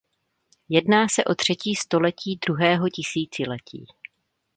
Jedná se o třetí století druhého tisíciletí.